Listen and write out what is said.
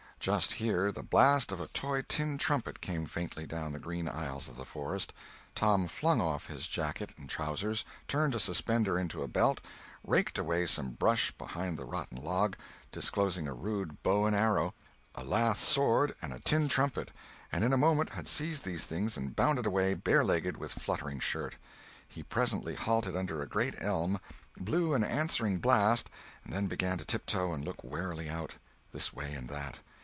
Just here the blast of a toy tin trumpet came faintly down the green aisles of the forest. Tom flung off his jacket and trousers, turned a suspender into a belt, raked away some brush behind the rotten log, disclosing a rude bow and arrow, a lath sword and a tin trumpet, and in a moment had seized these things and bounded away, barelegged, with fluttering shirt. He presently halted under a great elm, blew an answering blast, and then began to tiptoe and look warily out, this way and that.